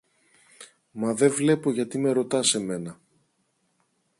Μα δε βλέπω γιατί με ρωτάς εμένα